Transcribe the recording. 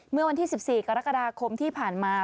เมื่อวันที่๑๔กรกฎาคมที่ผ่านมา